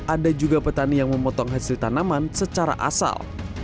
ada juga petani yang memotong hasil tanaman secara asal